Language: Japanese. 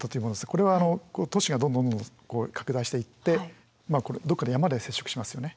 これは都市がどんどんどんどん拡大していってどっかで山で接触しますよね。